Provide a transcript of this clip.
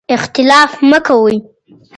اختلاف مه کوئ.